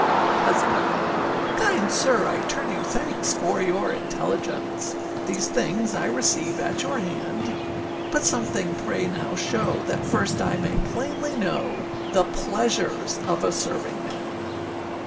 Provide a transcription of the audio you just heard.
HUSBANDMAN. Kind sir! I âturn you thanks for your intelligence, These things I receive at your hand; But something pray now show, that first I may plainly know The pleasures of a servingman.